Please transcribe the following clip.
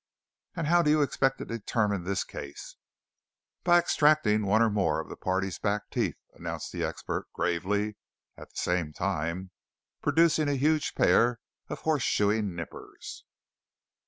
"And how do you expect to determine this case?" "By extracting one or more of the party's back teeth," announced the "expert" gravely, at the same time producing a huge pair of horseshoeing nippers.